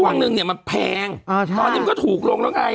ช่วงนึงเนี่ยมันแพงตอนนี้มันก็ถูกลงแล้วไง